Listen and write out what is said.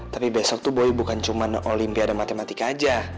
tapi besok tuh boy bukan cuma olimpiade matematika aja